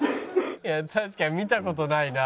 いや確かに見た事ないな。